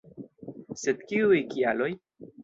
Sed kiuj kialoj?